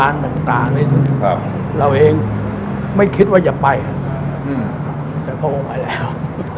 เราเองไม่คิดว่าอย่าไปแต่เขาออกมาแล้ว